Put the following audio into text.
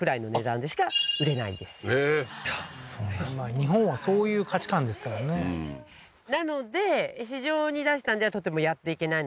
日本はそういう価値観ですからねあっ